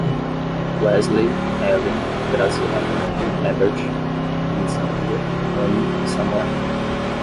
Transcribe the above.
Wesley, Ellen, Graziela, Hebert, Elisângela, Ane e Samoel